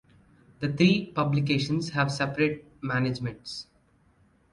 The three publications have separate managements.